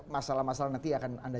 masalah masalah nanti akan anda